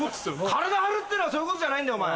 体張るってのはそういうことじゃないんだお前。